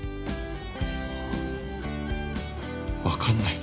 分かんない。